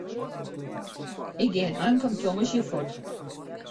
Ik gean ankom tongersdei fuort.